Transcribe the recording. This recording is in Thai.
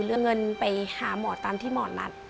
เรือเงินไปหาหมอตามที่หมอนัด